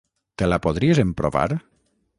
Te la podries emprovar?